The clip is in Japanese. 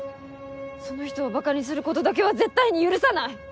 その人を馬鹿にする事だけは絶対に許さない！